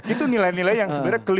itu nilai nilai yang sebenarnya